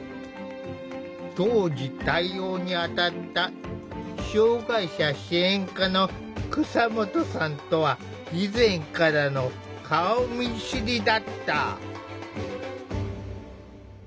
当時対応に当たった障害者支援課の蒼下さんとは以前からの顔見知りだった。